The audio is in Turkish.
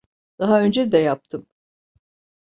Daha önce de yaptım.